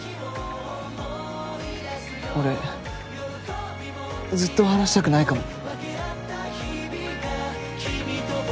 俺ずっと離したくないかも。